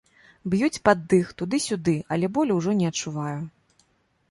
Б'юць пад дых, туды-сюды, але болю ўжо не адчуваю.